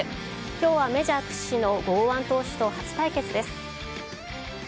きょうはメジャー屈指の剛腕投手と初対決です。